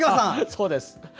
そうです。